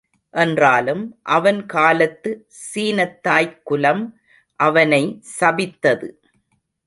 என்றாலும் அவன் காலத்து சீனத் தாய்க் குலம் அவனை சபித்தது.